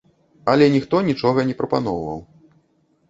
Але ніхто нічога не прапаноўваў.